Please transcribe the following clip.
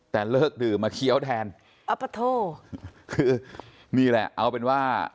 แต่เลิกดื่มมาเคี้ยวแทนนี่แหละเอาเป็นว่า